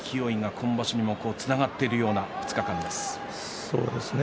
今場所につながっているような２日間ですね。